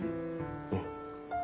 うん。